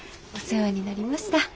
お世話になりました。